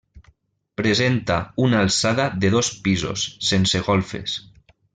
Presenta una alçada de dos pisos, sense golfes.